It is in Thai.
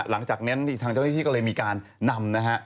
หลังจากเนี้ยทางเจ้าพิธีก็เลยมีการนำนะฮะ